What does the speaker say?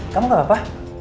kamu gak apa